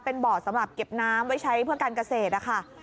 เป็นบ่อสำหรับเก็บน้ำไว้ใช้เพื่อการเกษตรนะคะ